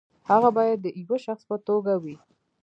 هغه باید د یوه شخص په توګه وي.